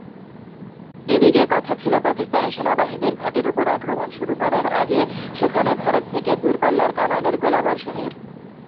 এদিকে কথা ছিল পাকিস্তানি সেনাবাহিনীর ঘাঁটির ওপর আক্রমণ শুরু করার আগে সেখানে ভারত থেকে দূরপাল্লার কামানের গোলা বর্ষণের।